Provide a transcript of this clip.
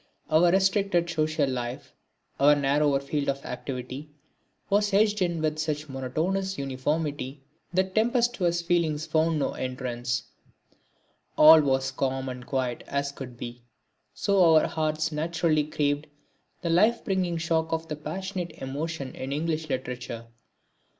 Our restricted social life, our narrower field of activity, was hedged in with such monotonous uniformity that tempestuous feelings found no entrance; all was as calm and quiet as could be. So our hearts naturally craved the life bringing shock of the passionate emotion in English literature.